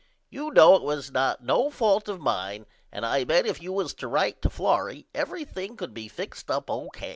You know it was not no fault of mine and I bet if you was to write to Florrie everything could be fixed up O.